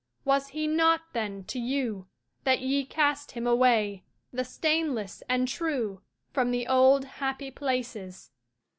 Was he naught, then, to you, That ye cast him away, The stainless and true, From the old happy places?